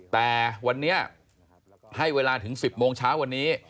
แต่วันนี้ให้เวลาถึง๑๐โมงเช้าวันนี้